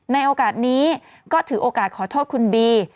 ในโอกาสนี้ก็ถือโอกาสขอโทษคุณบี